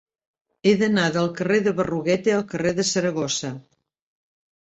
He d'anar del carrer de Berruguete al carrer de Saragossa.